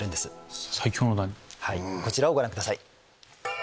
こちらをご覧ください。